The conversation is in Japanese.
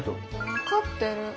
分かってる。